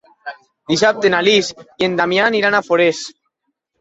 Dissabte na Lis i en Damià aniran a Forès.